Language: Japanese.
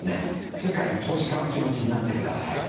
世界の投資家の気持ちになってください。